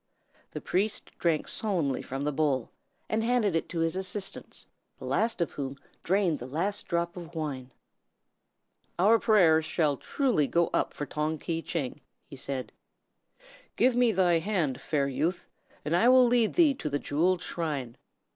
The priest drank solemnly from the bowl, and handed it to his assistants, the last of whom drained the last drop of wine. "Our prayers shall truly go up for Tong Ki Tcheng," he said. "Give me thy hand, fair youth, and I will lead thee to the Jewelled Shrine.